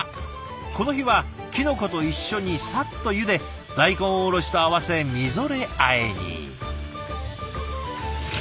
この日はキノコと一緒にサッとゆで大根おろしと合わせみぞれあえに。